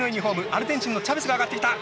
アルゼンチンのチャベスが上がってきた！